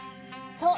そう！